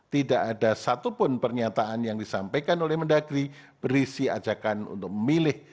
tidak ada satupun pernyataan yang disampaikan oleh mendagri berisi ajakan untuk memilih